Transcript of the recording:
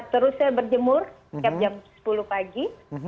terus saya berjemur setiap jam sepuluh pagi